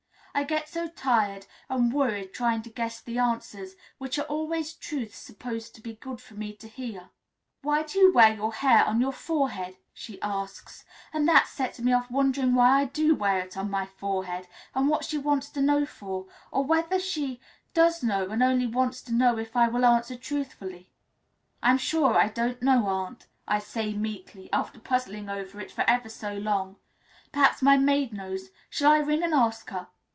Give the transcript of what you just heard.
I get so tired and worried trying to guess the answers, which are always truths supposed to be good for me to hear. 'Why do you wear your hair on your forehead?' she asks, and that sets me off wondering why I do wear it on my forehead, and what she wants to know for, or whether she does know and only wants to know if I will answer truthfully. 'I am sure I don't know, aunt,' I say meekly, after puzzling over it for ever so long; 'perhaps my maid knows. Shall I ring and ask her?